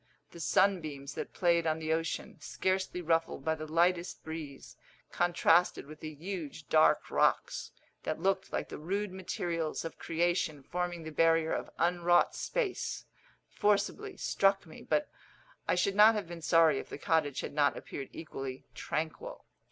The sunbeams that played on the ocean, scarcely ruffled by the lightest breeze, contrasted with the huge dark rocks, that looked like the rude materials of creation forming the barrier of unwrought space, forcibly struck me, but I should not have been sorry if the cottage had not appeared equally tranquil.